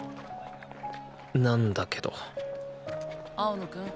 なんだけど青野くん。